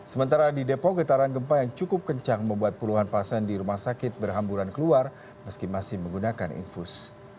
sementara di depok getaran gempa yang cukup kencang membuat puluhan pasien di rumah sakit berhamburan keluar meski masih menggunakan infus